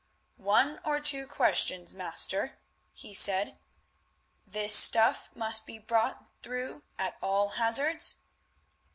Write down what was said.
"One or two questions, master," he said. "This stuff must be brought through at all hazards?"